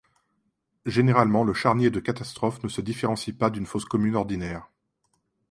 Généralement le charnier de catastrophe ne se différencie pas d'une fosse commune ordinaire.